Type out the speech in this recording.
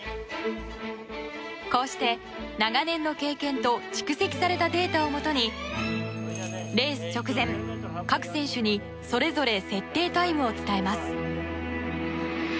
こうして長年の経験と蓄積されたデータをもとにレース直前、各選手にそれぞれ設定タイムを伝えます。